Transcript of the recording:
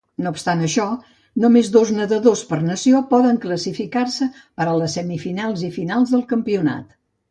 No obstant això, només dos nedadors per nació poden classificar-se per a les semifinals i finals del campionat.